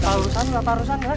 terus apa harusan lu